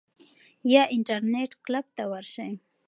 یا انټرنیټ کلب ته ورشئ.